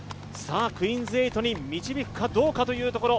クイーンズ８に導くかどうかというところ。